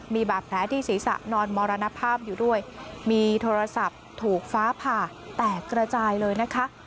มีบาดแผลที่ศีรษะนอนมรณภาพอยู่ด้วยมีโทรศัพท์ถูกฟ้าผ่าแตกกระจายเลยนะคะ